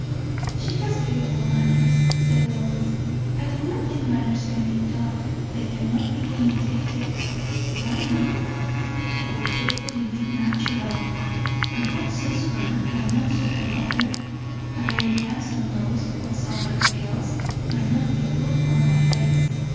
"She has beautiful manners," said Lois. "I do not think manners can be taught. They cannot be imitated." "Why not?" "O, they wouldn't be natural. And what suits one might not suit another. A very handsome nose of somebody else might not be good on my face.